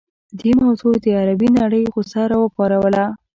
دې موضوع د عربي نړۍ غوسه راوپاروله.